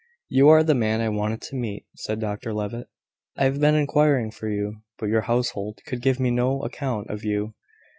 "You are the man I wanted to meet," said Dr Levitt. "I have been inquiring for you, but your household could give me no account of you.